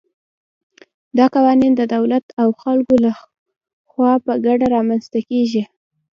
دا قوانین د دولت او خلکو له خوا په ګډه رامنځته کېږي.